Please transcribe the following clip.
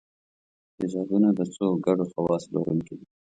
تیزابونه د څو ګډو خواصو لرونکي دي.